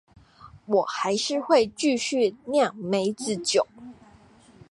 我還是會繼續釀梅子酒